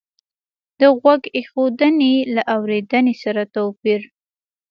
د غوږ ایښودنې له اورېدنې سره توپیر